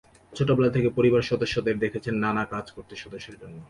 ছোটবেলা থেকে পরিবারের সদস্যদের দেখেছেন নানা কাজ করতে স্বদেশের জন্য।